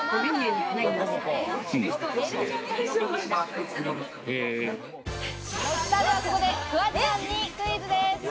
知る人ぞ知るではここでフワちゃんにクイズです。